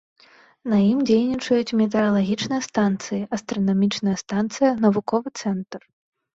На ім дзейнічаюць метэаралагічная станцыя, астранамічная станцыя, навуковы цэнтр.